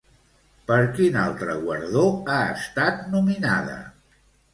Per quin altre guardó ha estat nominada?